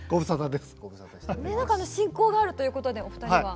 何か親交があるということでお二人は。